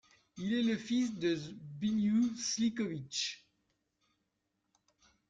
Il est le fils de Zbigniew Szlykowicz.